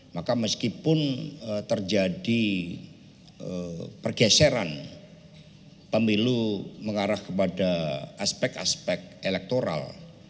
maka meskipun terjadi pergeseran pemilu mengarah kepada aspek aspek elektoral